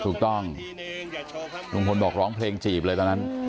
ถูกต้องลุงพลบอกร้องเพลงจีบเลยตอนนั้น